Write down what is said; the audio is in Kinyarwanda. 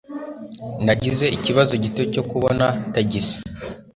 Nagize ikibazo gito cyo kubona tagisi.